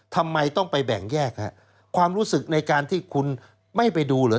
ทำไมต้องไปแบ่งแยกความรู้สึกในการที่คุณไม่ไปดูเหรอ